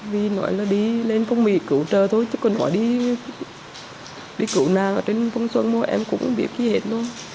vì nói là đi lên phòng mỹ cứu trợ thôi chứ còn nói đi cứu nàng ở trên phòng xuân mua em cũng không biết gì hết luôn